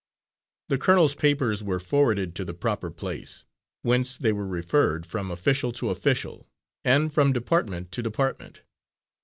The colonel's papers were forwarded to the proper place, whence they were referred from official to official, and from department to department.